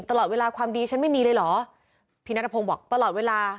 ตลอดเวลาความดีฉันไม่มีเลยเหรอพี่นัทพงศ์บอกตลอดเวลา